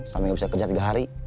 sampai nggak bisa kerja tiga hari